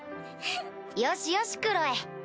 よしよしクロエ。